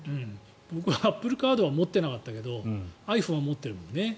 僕はアップルカードは持ってなかったけどｉＰｈｏｎｅは持ってるもんね。